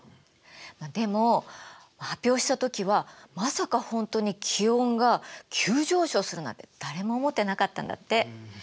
でも発表した時はまさか本当に気温が急上昇するなんて誰も思ってなかったんだって。